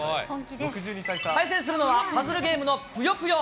対戦するのは、パズルゲームのぷよぷよ。